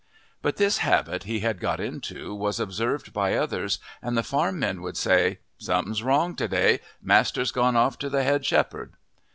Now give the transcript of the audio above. But this habit he had got into was observed by others, and the farm men would say, "Something's wrong to day the master's gone off to the head shepherd."